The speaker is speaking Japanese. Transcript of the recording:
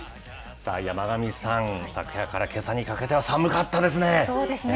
さあ山神さん、昨夜からけさにかけては寒かったですね。